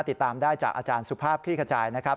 ติดตามได้จากอาจารย์สุภาพคลี่ขจายนะครับ